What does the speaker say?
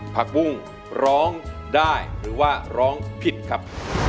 ผักบุ้งร้องได้หรือว่าร้องผิดครับ